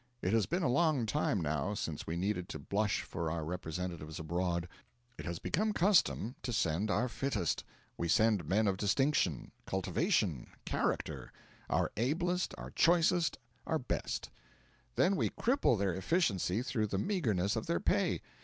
It has been a long time, now, since we needed to blush for our representatives abroad. It has become custom to send our fittest. We send men of distinction, cultivation, character our ablest, our choicest, our best. Then we cripple their efficiency through the meagreness of their pay.